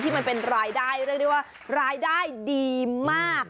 ที่มันเป็นรายได้ได้ว่ารายได้ดีมาก